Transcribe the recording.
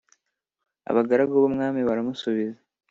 Abagaragu b’umwami baramusubiza